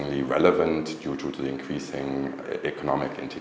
trả lời vấn đề này đến tổ chức và công nghệ